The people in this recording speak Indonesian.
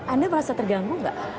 anda merasa terganggu nggak